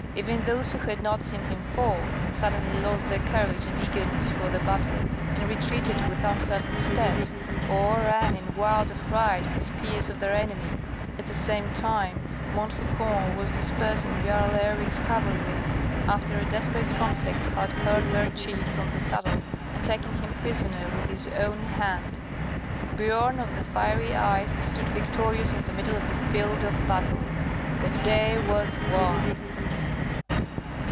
Even those who had not seen him fall, suddenly lost their courage and eagerness for the battle, and retreated with uncertain steps, or ran in wild affright on the spears of their enemies. At the same time Montfaucon was dispersing Jarl Eric's cavalry, after a desperate conflict had hurled their chief from the saddle, and taken him prisoner with his own hand. Biorn of the Fiery Eyes stood victorious in the middle of the field of battle. The day was won.